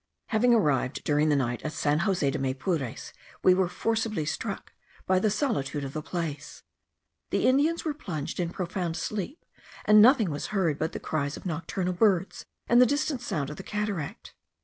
Having arrived during the night at San Jose de Maypures we were forcibly struck by the solitude of the place; the Indians were plunged in profound sleep, and nothing was heard but the cries of nocturnal birds, and the distant sound of the cataract.